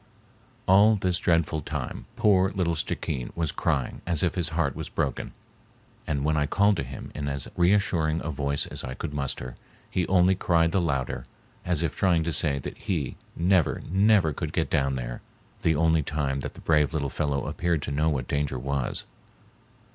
All this dreadful time poor little Stickeen was crying as if his heart was broken, and when I called to him in as reassuring a voice as I could muster, he only cried the louder, as if trying to say that he never, never could get down there—the only time that the brave little fellow appeared to know what danger was.